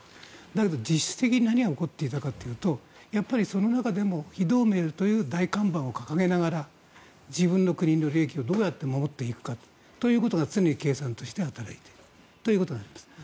だけど実質的に何が起こっていたかというとやっぱりその中でも非同盟という大看板を掲げながら自分の国の利益をどうやって守っていくかということが常に計算として働くということです。